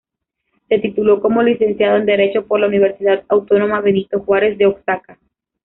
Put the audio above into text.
Se tituló como Licenciado en Derecho por la Universidad Autónoma Benito Juárez de Oaxaca.